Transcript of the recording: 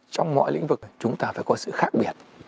trong mọi lĩnh vực chúng ta phải có sự khác biệt